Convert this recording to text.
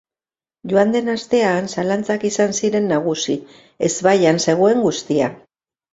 Joan den astean, zalantzak izan ziren nagusi, ezbaian zegoen guztia.